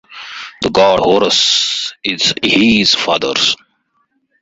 The god Horus is Ihy's father.